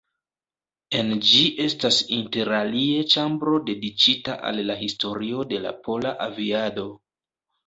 En ĝi estas interalie ĉambro dediĉita al la historio de la pola aviado.